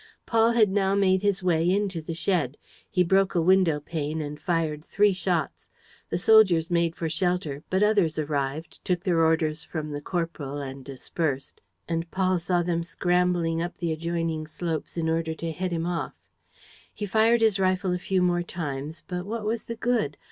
Paul had now made his way into the shed. He broke a window pane and fired three shots. The soldiers made for shelter; but others arrived, took their orders from the corporal and dispersed; and Paul saw them scrambling up the adjoining slopes in order to head him off. He fired his rifle a few more times; but what was the good?